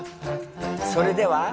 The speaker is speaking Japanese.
それでは。